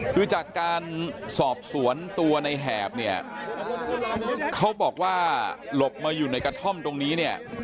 คือจากการสอบสวนตัวในแหบเนี่ยเขาบอกว่าหลบมาอยู่ในกระท่อมตรงนี้เนี่ย